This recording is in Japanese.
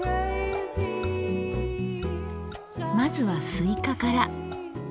まずはスイカから。